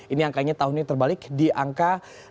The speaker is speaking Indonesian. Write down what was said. ini angkanya tahun ini terbalik di angka dua ratus delapan puluh tiga